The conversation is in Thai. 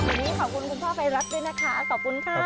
อันนี้ขอบคุณครูพ่อไฟรัสด้วยนะคะขอบคุณครับโอ้ย